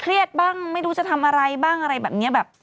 เครียดบ้างไม่รู้จะทำไรบ้างอะไรแบบนี้